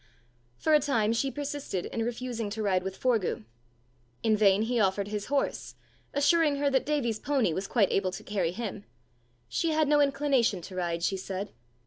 For a time she persisted in refusing to ride with Forgue. In vain he offered his horse, assuring her that Davie's pony was quite able to carry him; she had no inclination to ride, she said.